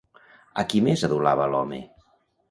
A qui més adulava l'home?